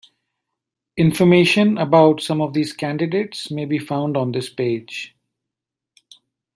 Information about some of these candidates may be found on this page.